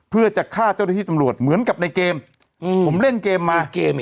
เพื่อจะฆ่าเจ้าหน้าที่ตำรวจเหมือนกับในเกมอืมผมเล่นเกมมาเกม